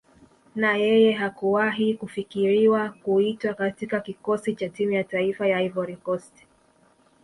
Na yeye hakuwahi kufikiriwa kuitwa katika Kikosi cha Timu ya Taifa ya Ivory Coast